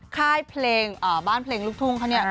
ค่ายเพลงบ้านเพลงลูกทุ่งเขาเนี่ย